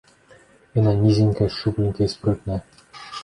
Яна нізенькая, шчупленькая і спрытная.